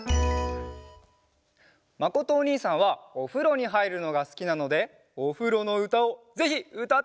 まことおにいさんはおふろにはいるのがすきなのでおふろのうたをぜひうたってほしいです！